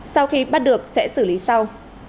sau khi bắt được sẽ xử lý sau